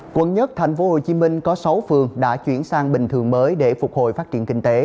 quận một tp hcm có sáu phường đã chuyển sang bình thường mới để phục hồi phát triển kinh tế